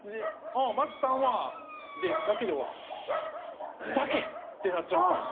「まっ頼むわ」だけで終わったらだけ？ってなっちゃうんですよ。